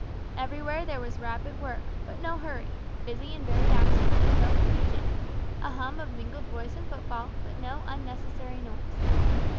Everywhere there was rapid work, but no hurry; busy and varied action, but no confusion; a hum of mingled voice and footfall, but no unnecessary noise.